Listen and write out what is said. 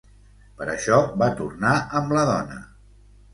Per això va tornar amb la dona.